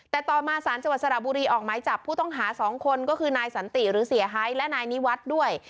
แต่ต่อมาสารจังหวัดสระบุรีออกไม้จับผู้ต้องหา๒คนก็คือนายสันติหรือเสียหายและนายนิวัฒน์ด้วย